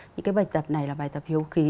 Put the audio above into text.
những cái bài tập này là bài tập hiếu khí